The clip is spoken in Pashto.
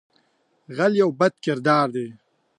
غل یو بد کردار دی